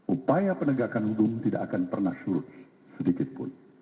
upaya penegakan hukum tidak akan pernah surut sedikitpun